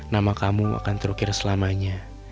nama kamu akan terukir selamanya